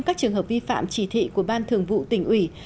các trường hợp vi phạm chỉ thị của ban thường vụ tỉnh ủy